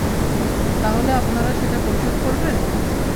তাহলে আপনারা সেটা পরিশোধ করবেন?